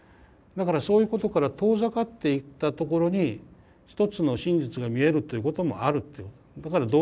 だからそういうことから遠ざかっていったところに一つの真実が見えるということもあるっていうこと。